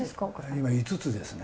今５つですね。